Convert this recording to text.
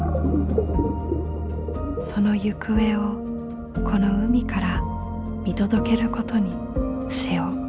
その行方をこの海から見届けることにしよう。